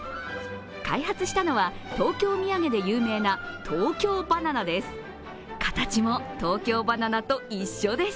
開発したのは東京土産で有名な東京ばな奈です。